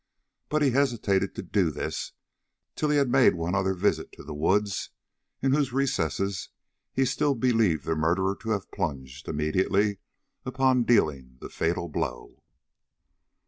But he hesitated to do this till he had made one other visit to the woods in whose recesses he still believed the murderer to have plunged immediately upon dealing the fatal blow.